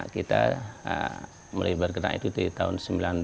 kita mulai bergerak itu di tahun